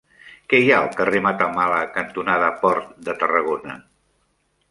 Què hi ha al carrer Matamala cantonada Port de Tarragona?